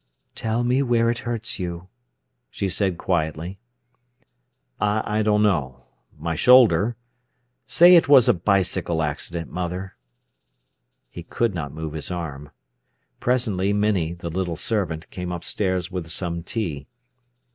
"Tell me where it hurts you," she said quietly. "I don't know—my shoulder. Say it was a bicycle accident, mother." He could not move his arm. Presently Minnie, the little servant, came upstairs with some tea.